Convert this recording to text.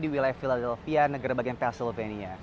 di wilayah philadelphia negara bagian pensylvania